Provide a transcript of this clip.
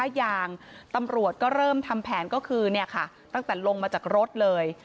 เผลอถ้ายางตำรวจก็เริ่มทำแผนก็คือตั้งแต่ลงมาจากรถเลย